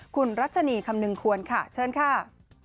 คุณรัชนีคำนึงควรค่ะเชิญค่ะ